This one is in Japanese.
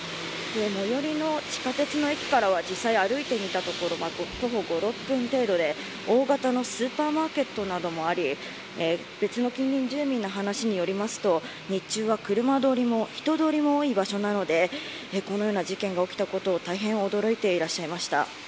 最寄りの地下鉄の駅からは実際歩いてみたところ徒歩５、６分程度で大型のスーパーマーケットもあり別の近隣住民の話によりますと日中は車通り人通りも多い場所なのでこのような事件が起きたことに大変驚いて出しました。